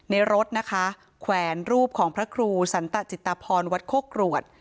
ในรถนะคะแขวนรูปของพระครูสันตจิตพรวัดโคกรวด